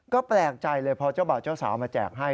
ก็แปลกใจเลยพอเจ้าบ่าวเจ้าสาวมาแจกให้